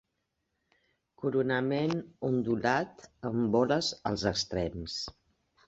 Coronament ondulat amb boles als extrems.